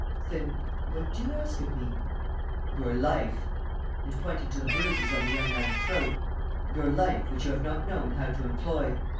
"Then what do you ask of me?" "Your life!" And, pointing to the bruises on the young man's throat, "Your life, which you have not known how to employ!